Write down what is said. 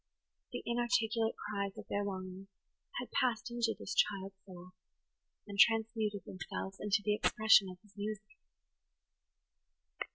The inarticulate cries of their longings had passed into this child's soul, and transmuted themselves into the expression of his music.